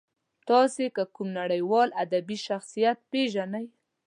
تاسې که کوم نړیوال ادبي شخصیت پېژنئ.